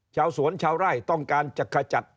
ชาวสวนชาวไร่ต้องการจะขจัด